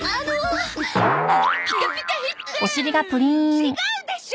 違うでしょ！